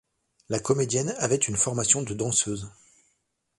La comédienne avait une formation de danseuse.